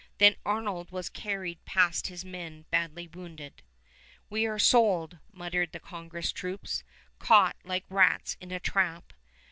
Then Arnold was carried past his men badly wounded. "We are sold," muttered the Congress troops, "caught like rats in a trap."